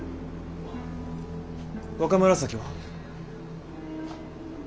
若紫は？